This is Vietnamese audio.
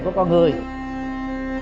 của con đường trung đạo